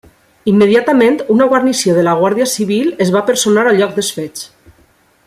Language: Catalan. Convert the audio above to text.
Immediatament, una guarnició de la Guàrdia Civil es va personar al lloc dels fets.